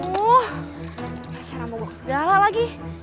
woh cara mogok segala lagi